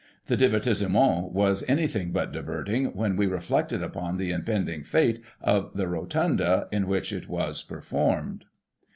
The divertissement was anything but diverting, when we reflected upon the impending fate of the 'Rotunda,' in which it was performed.